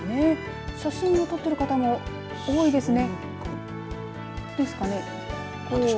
写真を撮ってる方も多いですね。